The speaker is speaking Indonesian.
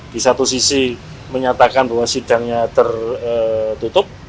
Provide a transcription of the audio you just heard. di satu sisi menyatakan bahwa sidangnya tertutup